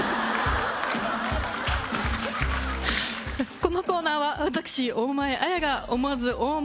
このコーナーは私大前あやが思わずＯＨ！